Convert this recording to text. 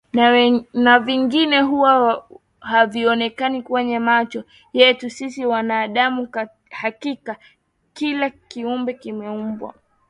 na vingine huwa havionekani kwenye macho yetu sisi wanadamu hakika kila Kiumbe kimeumbwa